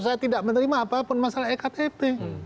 saya tidak menerima apa apa masalah ektp